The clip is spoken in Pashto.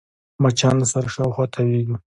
مچان د سر شاوخوا تاوېږي